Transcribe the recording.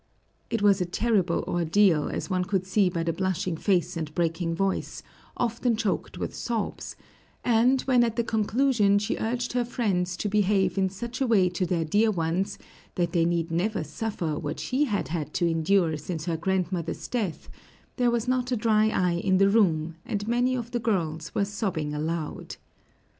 It was a terrible ordeal, as one could see by the blushing face and breaking voice, often choked with sobs; and when at the conclusion she urged her friends to behave in such a way to their dear ones that they need never suffer what she had had to endure since her grandmother's death, there was not a dry eye in the room, and many of the girls were sobbing aloud.